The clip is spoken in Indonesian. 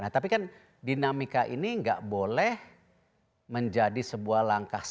nah tapi kan dinamika ini gak boleh menjadi sebuah langkah serius